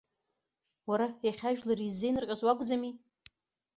Уара, иахьа ажәлар иззеинырҟьоз уакәӡами?